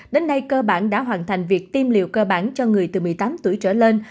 đến nay cơ bản đã hoàn thành việc tiêm liều cơ bản cho người từ một mươi tám tuổi trở lên